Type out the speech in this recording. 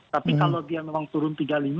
tapi kalau dia memang turun tiga puluh lima